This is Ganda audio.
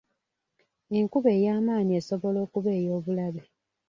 Enkuba ey'amaanyi esobola okuba ey'obulabe.